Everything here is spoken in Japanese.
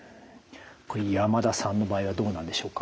山田さんの場合はどうなんでしょうか？